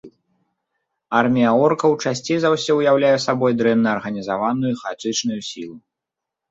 Армія оркаў часцей за ўсё ўяўляе сабой дрэнна арганізаваную, хаатычнай сілу.